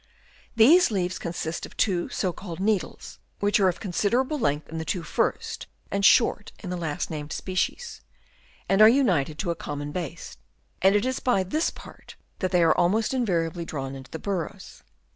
These leaves consist of two so called needles, which are of considerable length in the two first and short in the last named species, and are united to a common base : and it is by this part that they are almost invariably drawn into the burrows.